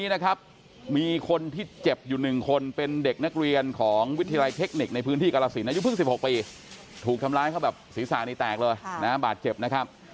อายุเพิ่ง๑๖ปีถูกทำร้ายเขาแบบศีรษะนี่แตกเลยนะบาดเจ็บนะครับ